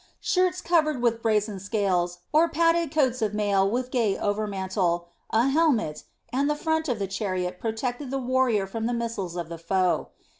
Shirts covered with brazen scales, or padded coats of mail with gay overmantle, a helmet, and the front of the chariot protected the warrior from the missiles of the foe.